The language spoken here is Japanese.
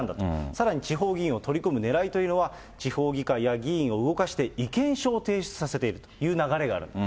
さらに地方議員を取り込むねらいというのは、地方議会や議員を動かして意見書を提出させているという流